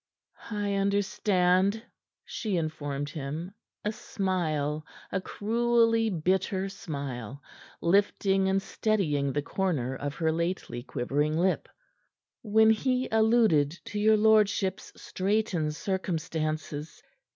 "I understood," she informed him, a smile a cruelly bitter smile lifting and steadying the corner of her lately quivering lip, "when he alluded to your lordship's straitened circumstances.